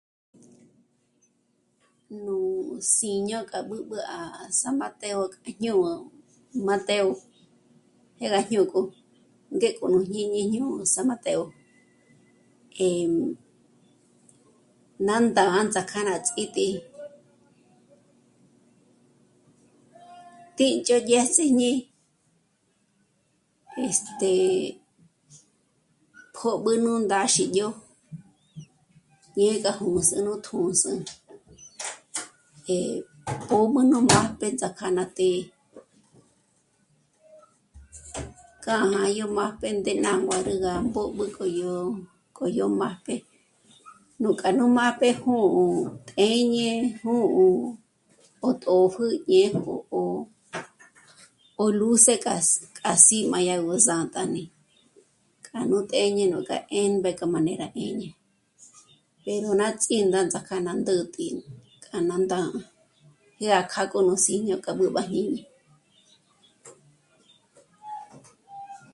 "Nú Síño k'a b'ǚb'ü à San Mateo k'a jñū̌'ū ""Mateo"" jé gá jñū̌ko ngék'o nú jñíñi ñū̌'ū San Mateo. Eh... ná ndǎndza k'a ná ts'ítǐ'i, tǐ'i dyò'o dyé sí'i ñé, este... jôb'ü nú ndáxi dyò'o ñe gá júm'ü sä̀'ä nú tjū̌s'ū, eh... pób'ǘ nú májp'e tsjâk'a ná të́'ë k'a jâ'a yó májp'e ndé ná nguârü gá mbób'ǘ k'o yó, k'o yó májpe nú k'a nú májpe jū̌'ū t'ěñe jū̌'ū o tópjü ñe 'o, 'o, 'o lúse k'as..., k'a sí'i má dyà gó sât'a né'e k'a nú t'ěñe nuk'a 'émbe k'a má né'e rá 'éñe pero ná ts'í dándza k'a ná ndä̌tji k'a ná ndá'a yá kjâ'a gó nú Síño k'a b'ǚb'ǜ à jñíñi"